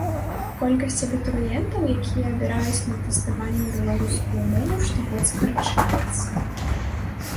Колькасць абітурыентаў, якія абіраюць на тэставанні беларускую мову, штогод скарачаецца.